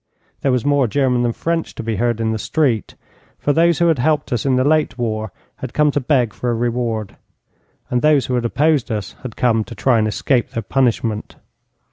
There was more German than French to be heard in the street, for those who had helped us in the late war had come to beg for a reward, and those who had opposed us had come to try and escape their punishment.